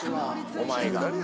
⁉お前が。